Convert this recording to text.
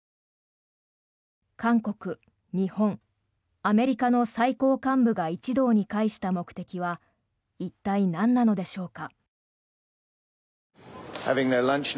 韓国、日本、アメリカの最高幹部が一堂に会した目的は一体、なんなのでしょうか。